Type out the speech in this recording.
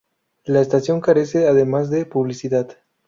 La estación carece además de publicidad.